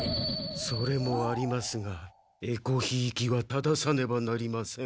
それもありますがえこひいきは正さねばなりません。